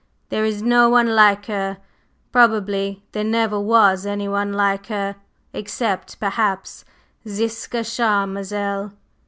"There is no one like her; probably there never was anyone like her, except, perhaps, Ziska Charmazel!"